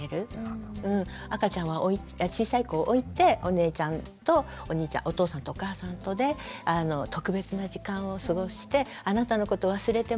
赤ちゃん小さい子を置いてお姉ちゃんとお兄ちゃんお父さんとお母さんとで特別な時間を過ごしてあなたのこと忘れてませんよって。